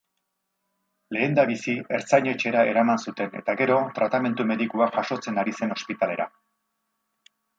Lehendabizi ertzain-etxera eraman zuten eta gero, tratamendu medikua jasotzen ari zen ospitalera.